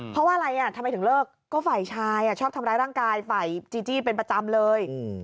เพราะว่าอะไรทำไมถึงเลิกก็ฝ่ายชายชอบทำร้ายร่างกายฝ่ายจีจี้เป็นประจำเลย